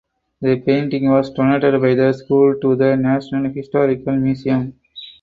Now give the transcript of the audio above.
The painting was donated by the school to the National Historical Museum.